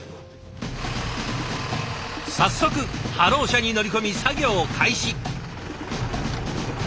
早速ハロー車に乗り込み作業開始！